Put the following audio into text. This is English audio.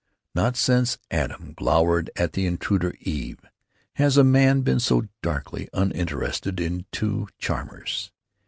Not since Adam glowered at the intruder Eve has a man been so darkly uninterested in two charmers.